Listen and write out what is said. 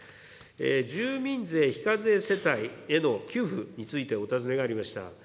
住民税非課税世帯への給付についてお尋ねがありました。